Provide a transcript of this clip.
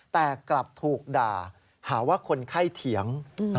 แต่กลับถูกด่าหาว่าคนไข้เถียง